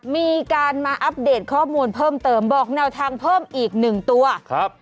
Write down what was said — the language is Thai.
มีการมาอัปเดตข้อมูลเพิ่มเติมบอกแนวทางเพิ่มอีกหนึ่งตัวครับ